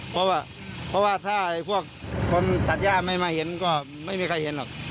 เพราะว่าเพราะว่าถ้าพวกคนตัดย่าไม่มาเห็นก็ไม่มีใครเห็นหรอก